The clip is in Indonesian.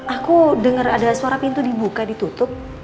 aku dengar ada suara pintu dibuka ditutup